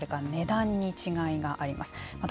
それから値段に違いがあります。